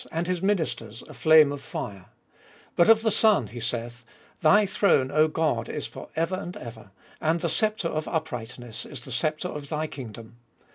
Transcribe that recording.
And his ministers a flame of fire : (Ps. civ. 4). 8. But of the Son he saith, Thy throne, O God, is for ever and ever; And the sceptre of uprightness is the sceptre 01 thy kingdom.